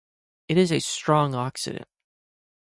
It is a strong oxidant.